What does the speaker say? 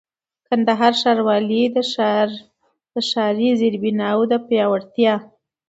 کندهار ښاروالۍ د ښاري زېربناوو د پياوړتيا